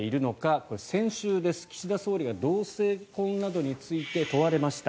これ、先週です、岸田総理が同性婚について問われました。